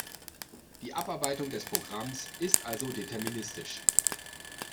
Die Abarbeitung des Programms ist also deterministisch.